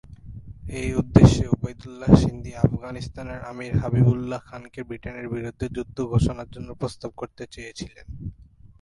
এ উদ্দেশ্যে উবাইদুল্লাহ সিন্ধি আফগানিস্তানের আমির হাবিবুল্লাহ খানকে ব্রিটেনের বিরুদ্ধে যুদ্ধ ঘোষণার জন্য প্রস্তাব করতে চেয়েছিলেন।